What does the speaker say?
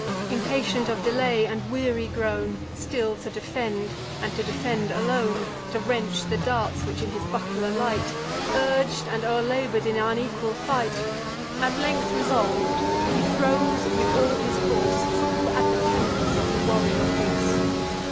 Impatient of delay, and weary grown, Still to defend, and to defend alone, To wrench the darts which in his buckler light, Urg'd and o'er labour'd in unequal fight; At length resolv'd, he throws with all his force Full at the temples of the warrior horse.